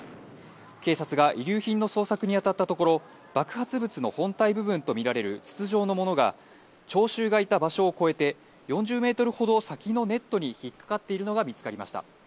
警察が遺留品の捜索に当たったところ、爆発物の本体部分と見られる筒状のものが、聴衆がいた場所を越えて、４０メートルほど先のネットに引っ掛かっているのが見つかりました。